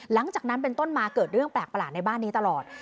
หลังจากนั้นเป็นต้นมาเกิดเรื่องแปลกประหลาดในบ้านนี้ตลอด